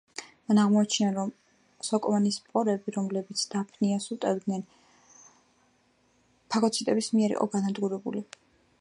მან აღმოაჩინა, რომ სოკოვანი სპორები, რომლებიც დაფნიას უტევდნენ, ფაგოციტების მიერ იყო განადგურებული.